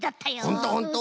ほんとほんと！